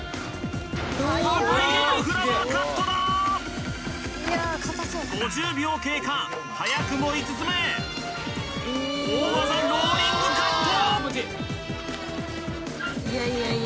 パパイヤのフラワーカットだ５０秒経過早くも５つ目大技ローリングカット！